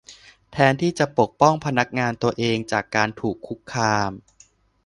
แทนที่จะปกป้องพนักงานตัวเอง จากการถูกคุกคาม